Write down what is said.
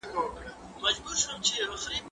زه تکړښت کړی دی،